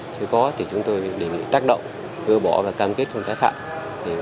chứ có thì chúng tôi định tác động gơ bỏ và cam kết không thể khẳng